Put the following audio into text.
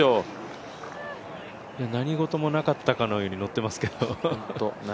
何事もなかったかのようにのってますけど。